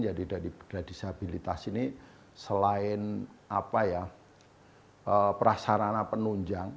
jadi dari perda disabilitas ini selain perasarana penunjang